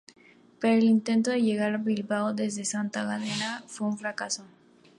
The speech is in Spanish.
Pero el intento de llegar a Bilbao desde Santa Gadea fue un fracaso.